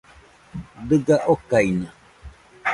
Dɨga okaina.